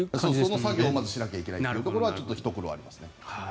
その作業をしないといけないところはひと苦労ありますね。